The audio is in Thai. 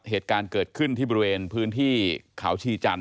เหตุการณ์เกิดขึ้นที่บริเวณพื้นที่เขาชีจันท